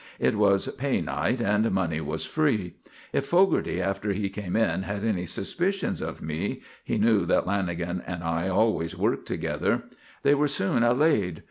It was pay night and money was free. If Fogarty, after he came in, had any suspicions of me he knew that Lanagan and I always worked together they were soon allayed.